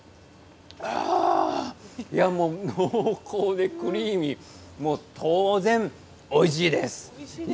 濃厚でクリーミー当然、おいしいんです。